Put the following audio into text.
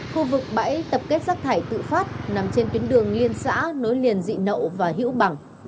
khu vực bãi tập kết rác thải tự phát nằm trên tuyến đường liên xã nối liền dị nậu và hữu bằng